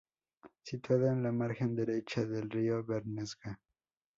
Situado en la margen derecha del río Bernesga.